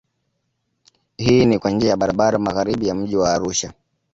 Hii ni kwa njia ya barabara magharibi ya mji wa Arusha